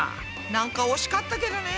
なんか惜しかったけどね。